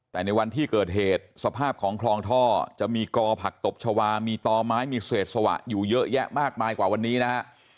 แต่ในวันที่เกิดเหตุสภาพของคลองท่อจะมีกอผักตบชาวามีต่อไม้มีเศษสวะอยู่เยอะแยะมากมายกว่าวันนี้นะฮะ